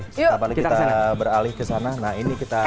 setelah balik kita beralih ke sana nah ini kita